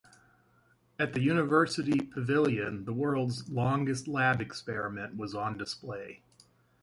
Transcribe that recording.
At the University pavilion the world's longest lab experiment was on display.